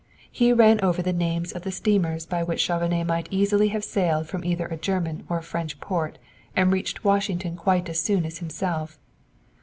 He ran over the names of the steamers by which Chauvenet might easily have sailed from either a German or a French port and reached Washington quite as soon as himself.